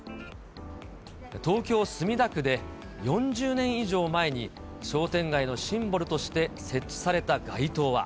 東京・墨田区で４０年以上前に、商店街のシンボルとして設置された街灯は。